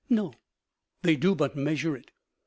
No, they do but measure it.